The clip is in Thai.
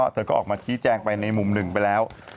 เธอก็ออกมาชี้แจงไปในมุมหนึ่งไปแล้ว